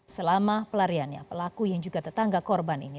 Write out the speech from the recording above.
selama pelariannya pelaku yang juga tetangga korban ini